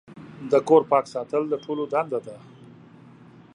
د کور پاک ساتل د ټولو دنده ده.